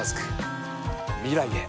未来へ。